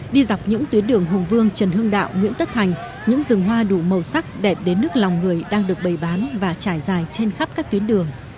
đi dọc những tuyến đường hùng vương trần hưng đạo nguyễn tất thành những rừng hoa đủ màu sắc đẹp đến nước lòng người đang được bày bán và trải dài trên khắp các tuyến đường